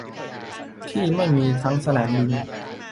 ที่ไม่มีทั้งสนามบิน